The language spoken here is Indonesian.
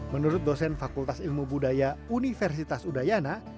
menurut dosen fakultas ilmu budaya universitas udayana